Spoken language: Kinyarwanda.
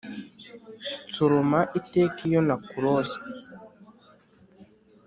nsoroma iteka iyo nakurose